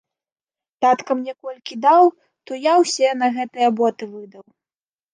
Татка мне колькі даў, то я ўсе на гэтыя боты выдаў.